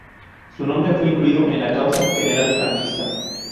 Su nombre fue incluido en la Causa General franquista.